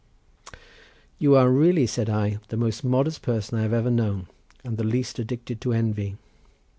"You are really," said I, "the most modest person I have ever known and the least addicted to envy.